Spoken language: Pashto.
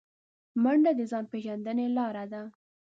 منډه د ځان پیژندنې لاره ده